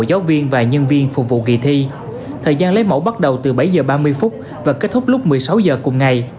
giáo viên và nhân viên phục vụ kỳ thi thời gian lấy mẫu bắt đầu từ bảy h ba mươi phút và kết thúc lúc một mươi sáu h cùng ngày